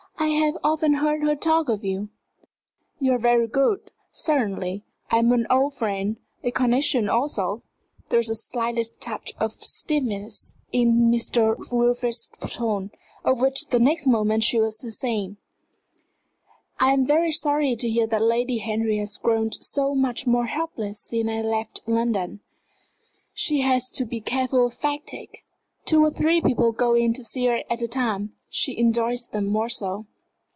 I have often heard her talk of you." "You are very good. Certainly, I am an old friend a connection also." There was the slightest touch of stiffness in Sir Wilfrid's tone, of which the next moment he was ashamed. "I am very sorry to hear that Lady Henry has grown so much more helpless since I left England." "She has to be careful of fatigue. Two or three people go in to see her at a time. She enjoys them more so."